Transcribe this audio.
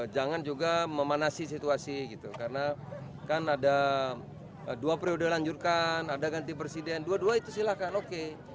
jangan juga memanasi situasi gitu karena kan ada dua periode lanjutkan ada ganti presiden dua dua itu silahkan oke